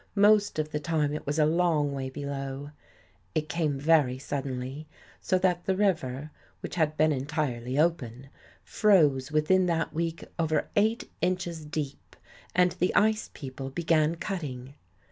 Most of the time it was a long way below. It came very suddenly, so that the river, which had been entirely open, froze within that week over eight inches deep and the ice people began cutting.